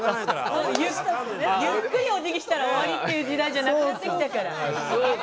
ゆっくりお辞儀したら終わりっていう時代じゃなくなってきたから。